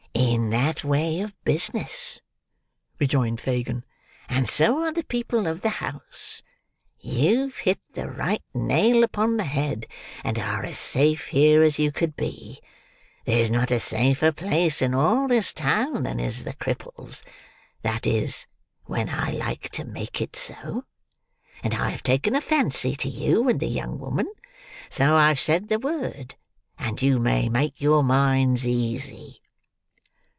"In that way of business," rejoined Fagin; "and so are the people of the house. You've hit the right nail upon the head, and are as safe here as you could be. There is not a safer place in all this town than is the Cripples; that is, when I like to make it so. And I have taken a fancy to you and the young woman; so I've said the word, and you may make your minds easy."